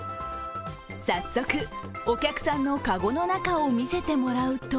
早速、お客さんのかごの中を見せてもらうと